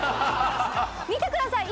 見てください